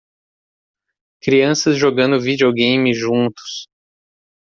Crianças jogando videogame juntos.